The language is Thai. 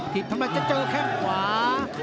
ทีมทำให้จะเจอแข้งขวา